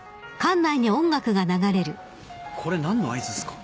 これ何の合図っすか？